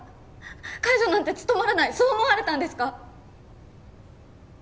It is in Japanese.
介助なんて務まらないそう思われたんですか？